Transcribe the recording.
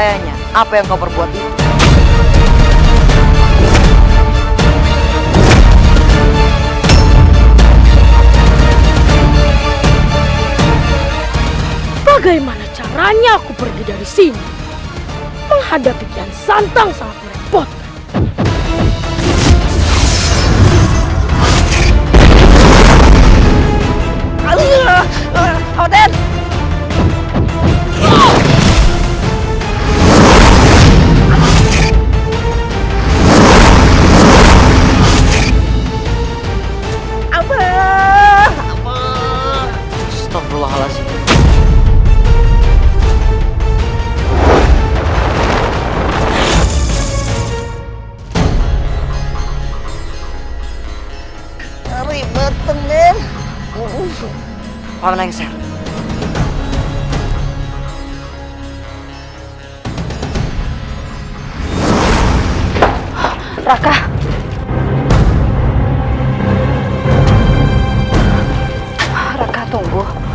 kalau kau tidak melanggar kau tidak mungkin kaget saat aku datang